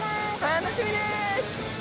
楽しみです！